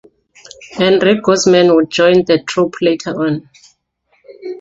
Enrique Guzman would join The Troupe, later on.